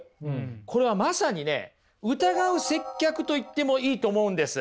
これはまさにね疑う接客と言ってもいいと思うんです。